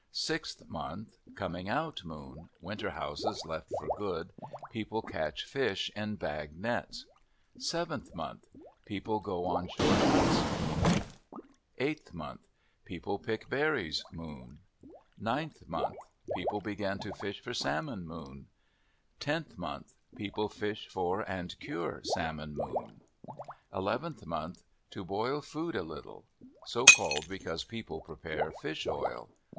Sixth month.—"Coming out" moon. Winter houses left for good. People catch fish in bag nets. Seventh month.—People go on short hunts moon. Eighth month.—People pick berries moon. Ninth month.—People begin to fish for salmon moon. Tenth month.—People fish for and cure salmon moon. Eleventh month.—"To boil food a little." So called because people prepare fish oil.